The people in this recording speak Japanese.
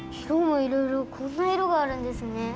いろもいろいろこんないろがあるんですね。